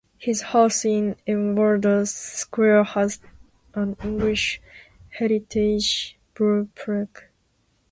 His house in Edwardes Square has an English Heritage blue plaque.